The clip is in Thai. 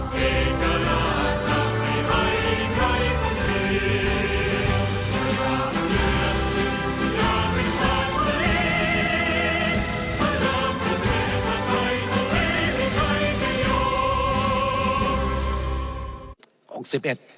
พระราชก็แท้ชัดใครเท่าไหร่ไม่ใช่ชีวิต